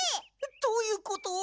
どういうこと？